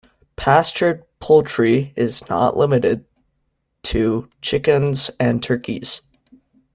Pastured poultry is not limited to chickens and turkeys.